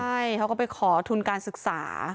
ใช่เขาก็ไปขอทุนการศึกษา